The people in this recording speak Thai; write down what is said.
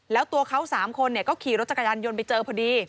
แล้วตัวเขา๓คนก็ขี่รถจักรยานยนต์ไปเจอพอดี